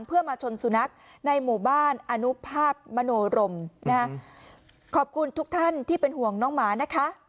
เพื่อมาชนสุนัขในหมู่บ้านอนุภาพมโนรมนะฮะขอบคุณทุกท่านที่เป็นห่วงน้องหมานะคะ